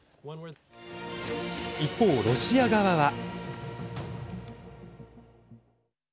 一方、ロシア側は。